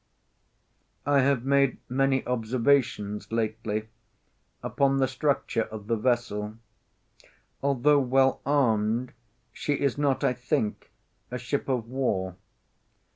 I have made many observations lately upon the structure of the vessel. Although well armed, she is not, I think, a ship of war.